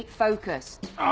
あ！